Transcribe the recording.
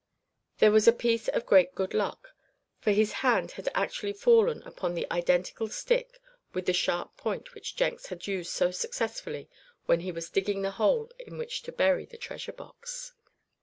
There was a piece of great good luck, for his hand had actually fallen upon the identical stick with the sharp point which Jenks had used so successfully when he was digging the hole in which to bury the treasure box.